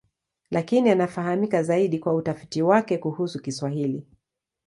Lakini anafahamika zaidi kwa utafiti wake kuhusu Kiswahili.